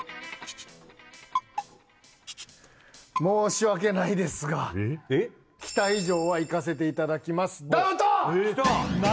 申し訳ないですがきた以上はいかせていただきます何？